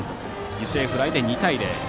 犠牲フライで２対０。